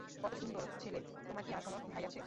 কতো সুন্দর ছেলে তোমার কি আর কোন ভাই আছে?